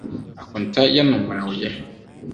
Akonta yɛ no mmerɛwyɛ